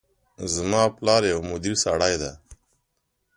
زما پلار یو مدبر سړی ده